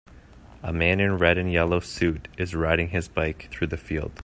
A man in red and yellow suit is riding his bike through the field.